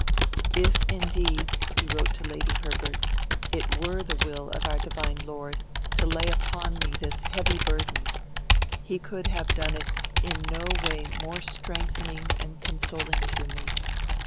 'If indeed,' he wrote to Lady Herbert, 'it were the will of our Divine Lord to lay upon me this heavy burden, He could have done it in no way more strengthening and consoling to me.